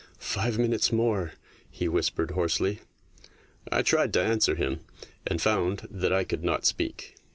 "Five minutes more," he whispered hoarsely. I tried to answer him, and found that I could not speak.